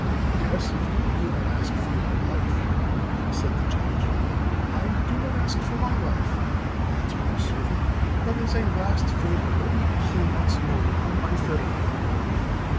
"Yes, if you do not ask your life," said the judge. "I do not ask for life," answered the servant, "but as a last favor let me play once more upon my fiddle."